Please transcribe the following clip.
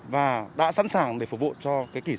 và đã sẵn sàng để phục vụ cho kỳ sea games